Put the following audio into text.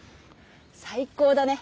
最高だね。